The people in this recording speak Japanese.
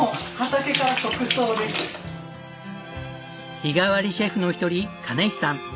日替わりシェフの一人金石さん。